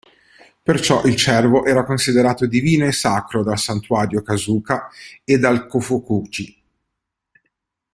Perciò il cervo era considerato divino e sacro dal santuario Kasuga e dal Kōfuku-ji.